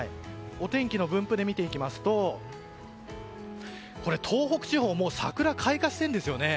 お天気の分布で見ていきますと東北地方桜開花しているんですよね。